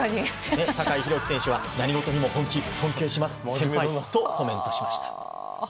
酒井宏樹選手は何事にも本気、尊敬します先輩とコメントしました。